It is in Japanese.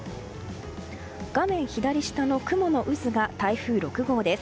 画面左下の雲のうずが台風６号です。